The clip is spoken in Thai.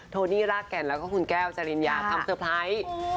โนี่รากแก่นแล้วก็คุณแก้วจริญญาทำเซอร์ไพรส์